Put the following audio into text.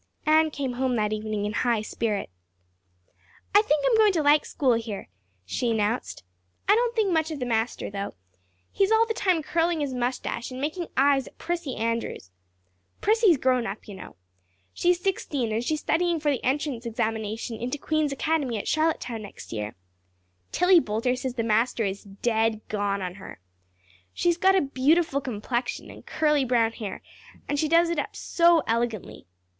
Anne came home that evening in high spirits. "I think I'm going to like school here," she announced. "I don't think much of the master, through. He's all the time curling his mustache and making eyes at Prissy Andrews. Prissy is grown up, you know. She's sixteen and she's studying for the entrance examination into Queen's Academy at Charlottetown next year. Tillie Boulter says the master is dead gone on her. She's got a beautiful complexion and curly brown hair and she does it up so elegantly.